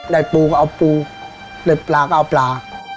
ปูก็เอาปูได้ปลาก็เอาปลา